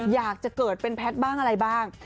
อยากจะเกิดเป็นแพทย์บ้างอะไรบ้าง